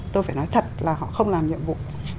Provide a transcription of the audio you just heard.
tôi phải nói thật là họ không làm nhiệm vụ